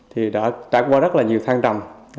thì đã trải qua rất là nhiều thang trầm